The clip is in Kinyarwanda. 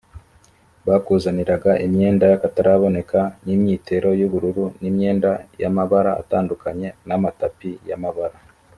bakuzaniraga imyenda y akataraboneka n imyitero y ubururu n imyenda y amabara atandukanye n amatapi y amabara